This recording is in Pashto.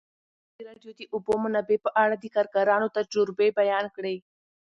ازادي راډیو د د اوبو منابع په اړه د کارګرانو تجربې بیان کړي.